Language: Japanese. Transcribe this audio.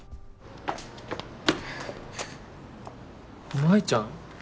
舞ちゃん。